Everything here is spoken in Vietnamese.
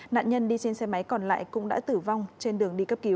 nạn nhân đi trên xe máy còn lại cũng đã tử vong trên đường đi cấp cứu